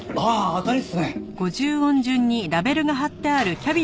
当たりっすね。